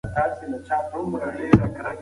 د ماشوم غاښونه د خوب مخکې پاک کړئ.